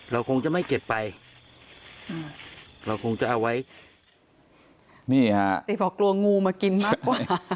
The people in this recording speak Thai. เราคงจะไม่เก็บไปเราคงจะเอาไว้นี่ฮะติบอกกลัวงูมากินมากกว่า